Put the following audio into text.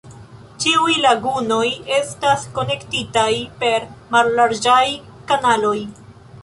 Ĉiuj lagunoj estas konektitaj per mallarĝaj kanaloj.